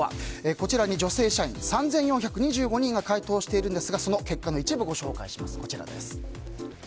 こちらに女性社員３４２５人が回答しているんですがその結果の一部をご紹介します。